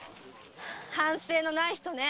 反省のない人ね。